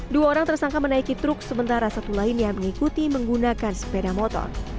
dua orang tersangka menaiki truk sementara satu lainnya mengikuti menggunakan sepeda motor